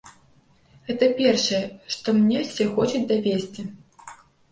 Гэта першае, што мне ўсе хочуць давесці.